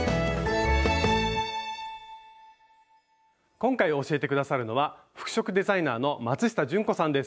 今回教えて下さるのは服飾デザイナーの松下純子さんです。